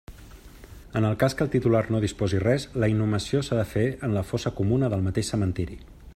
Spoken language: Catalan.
En el cas que el titular no dispose res, la inhumació s'ha de fer en la fossa comuna del mateix cementeri.